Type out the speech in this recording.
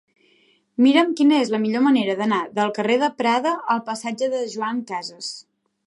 Mira'm quina és la millor manera d'anar del carrer de Prada al passatge de Joan Casas.